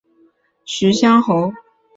元延元年刘快被封为徐乡侯。